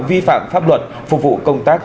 vi phạm pháp luật phục vụ công tác